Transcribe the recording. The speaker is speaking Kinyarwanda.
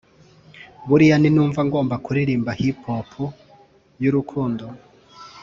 buriya ninumva ngomba kuririmba Hip Hop y’urukundo